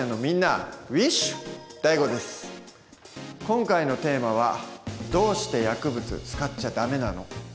今回のテーマは「どうして薬物使っちゃダメなの？」。